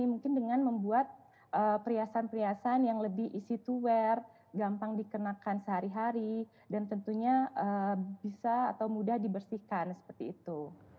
mungkin dengan membuat perhiasan perhiasan yang lebih easy to wear gampang dikenakan sehari hari dan tentunya bisa atau mudah dibersihkan seperti itu